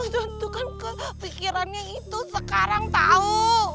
tentukan kepikirannya itu sekarang tau